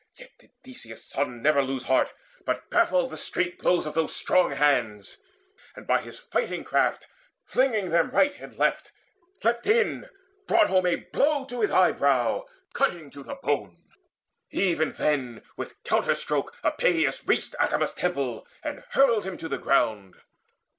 Yet did Theseus' son Never lose heart, but baffled the straight blows Of those strong hands, and by his fighting craft Flinging them right and left, leapt in, brought home A blow to his eyebrow, cutting to the bone. Even then with counter stroke Epeius reached Acamas' temple, and hurled him to the ground.